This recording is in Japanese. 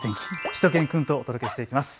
しゅと犬くんとお届けしていきます。